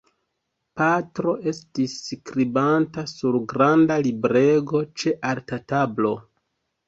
Patro estis skribanta sur granda librego ĉe alta tablo.